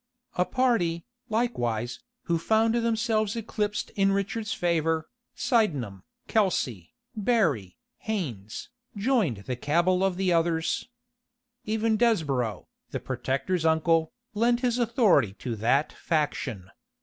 A party, likewise, who found themselves eclipsed in Richard's favor, Sydenham, Kelsey, Berry, Haines, joined the cabal of the others. Even Desborow, the protector's uncle, lent his authority to that faction.